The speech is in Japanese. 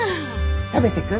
食べてく？